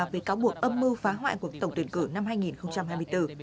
về cáo buộc âm mưu phá hoại cuộc tổng tuyển cử năm hai nghìn hai mươi bốn